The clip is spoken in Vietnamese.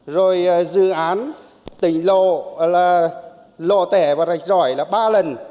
rồi dự án tỉnh lộ tẻ và rạch rõi là ba lần